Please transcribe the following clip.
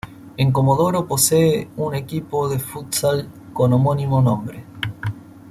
En Comodoro posee un equipo de futsal con homónimo nombre.